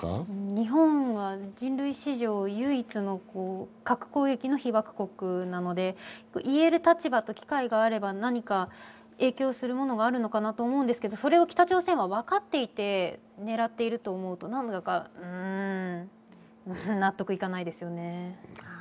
日本は人類史上唯一の核攻撃の被爆国なので言える立場と機会があれば何か影響するものがあるのかなと思うんですけど、それを北朝鮮は分かっていて狙っていると思うとなんだか納得いかないですよね。